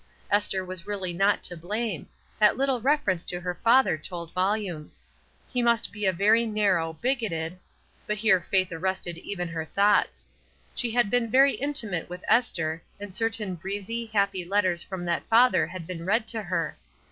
Esther was really not to blame; that little reference to her father told volumes. He must be a very narrow, bigoted — but here Faith arrested even her thoughts. She had been very intimate with Esther, and certain breezy, happy letters from that father had been read to her.